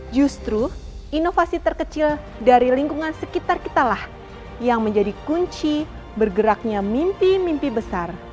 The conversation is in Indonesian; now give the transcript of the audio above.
justru inovasi terkecil dari lingkungan sekitar kitalah yang menjadi kunci bergeraknya mimpi mimpi besar